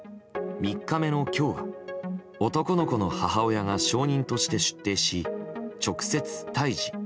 ３日目の今日は男の子の母親が証人として出廷し直接、対峙。